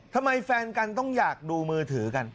แฟนกันต้องอยากดูมือถือกัน